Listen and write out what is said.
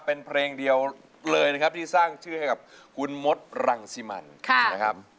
เป็นเพลงเดียวเลยนะครับที่สร้างชื่อให้กับคุณมดรังสิมันนะครับ